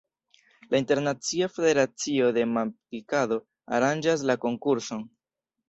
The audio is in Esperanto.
La Internacia Federacio de Manpilkado aranĝas la konkurson.